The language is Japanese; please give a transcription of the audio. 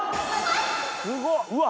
すごっうわっ！